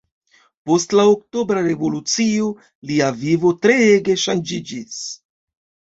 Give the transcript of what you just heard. Post la Oktobra Revolucio, lia vivo treege ŝanĝiĝis.